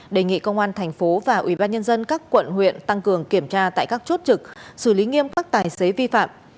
đề nghị công an thành phố và ubnd các quận huyện tăng cường kiểm tra tại các chốt trực xử lý nghiêm các tài xế vi phạm